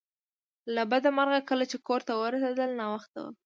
له بده مرغه کله چې کور ته ورسیدل ناوخته و